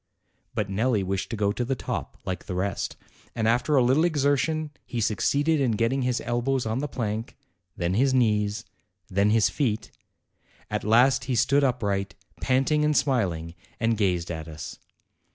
But Nelli wished to go to the top like the rest, and after a little exertion he succeeded in getting his el bows on the plank, then his knees, then his feet; at last he stood upright, panting and smiling, and gazed at us.